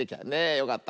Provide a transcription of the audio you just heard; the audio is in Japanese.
よかった。